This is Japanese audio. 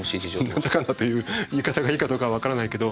「何だかんだ」という言い方がいいかどうかわからないけど。